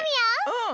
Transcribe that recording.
うん！